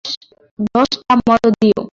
দশটা মতো দিও।